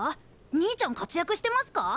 兄ちゃん活躍してますか？